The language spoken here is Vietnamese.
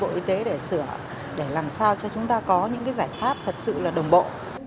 bộ y tế để sửa để làm sao cho chúng ta có những giải pháp thật sự là đồng bộ